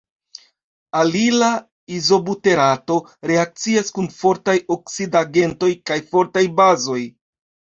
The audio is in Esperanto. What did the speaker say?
Alila izobuterato reakcias kun fortaj oksidigagentoj kaj fortaj bazoj.